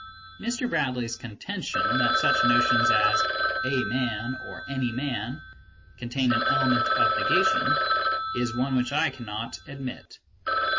Mr. Bradley's contention that such notions as " a man " or "any man" contain an element of negation is one which I cannot admit.